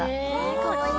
かわいい。